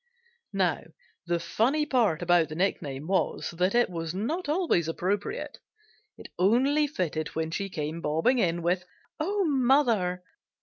Now, the funny part about the nickname was that it was not always appropriate; it only fitted when she came bobbing in with "Oh, mother!"